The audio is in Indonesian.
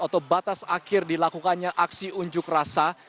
atau batas akhir dilakukannya aksi unjuk rasa